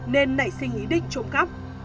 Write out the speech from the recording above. nên nảy sinh ý định trộm cắp